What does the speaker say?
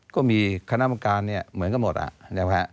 ก็มีคณะกรรมการเนี่ยเหมือนกันหมดอ่ะนะฮะ